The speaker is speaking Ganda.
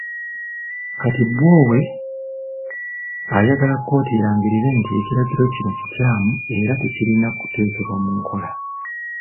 Kati Bwowe ayagala kkooti erangirire nti ekiragiro kino kikyamu era tekirina kuteekebwa mu nkola.